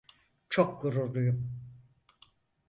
Çok gururluyum.